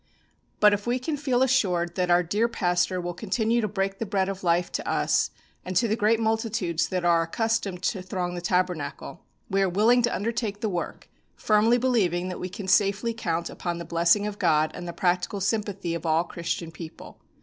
"But if we can feel assured that our dear pastor will continue to break the bread of life to us and to the great multitudes that are accustomed to throng the Tabernacle, we are willing to undertake the work, firmly believing that we can safely count upon the blessing of God and the practical sympathy of all Christian people.